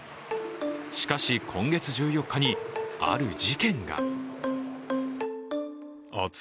しかし、今月１４日に、ある事件が。